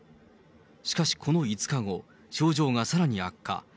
しかし、この５日後、症状がさらに悪化。